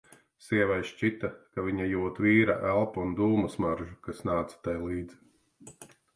Sievai šķita, ka viņa jūt vīra elpu un dūmu smaržu, kas nāca tai līdz.